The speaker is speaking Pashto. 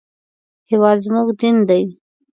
هېواد زموږ دین دی